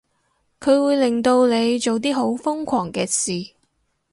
佢會令到你做啲好瘋狂嘅事